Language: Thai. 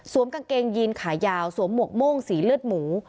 กางเกงยีนขายาวสวมหมวกโม่งสีเลือดหมู